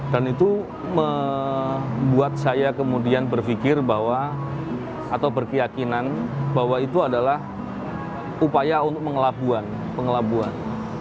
dan itu membuat saya kemudian berpikir bahwa atau berkeyakinan bahwa itu adalah upaya untuk pengelabuan